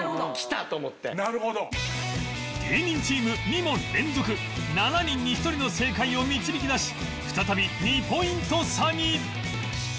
芸人チーム２問連続７人に１人の正解を導き出し再び２ポイント差に